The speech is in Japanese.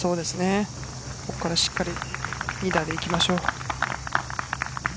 ここからしっかり２打でいきましょう。